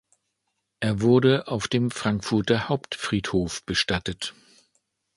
Er wurde auf dem Frankfurter Hauptfriedhof bestattet.